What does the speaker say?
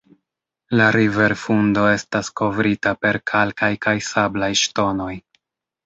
La riverfundo estas kovrita per kalkaj kaj sablaj ŝtonoj.